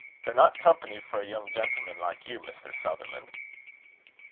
They're not company for a young gentleman like you, Mr. Sutherland."